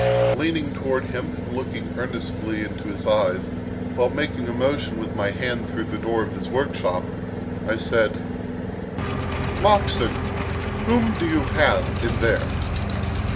Leaning toward him and looking earnestly into his eyes while making a motion with my hand through the door of his workshop, I said: "Moxon, whom have you in there?"